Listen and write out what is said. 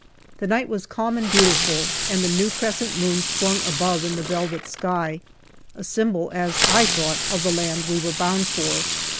The night was calm and beautiful, and the new crescent moon swung above in the velvet sky a symbol, as I thought, of the land we were bound for.